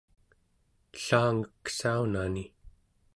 ellangeksaunani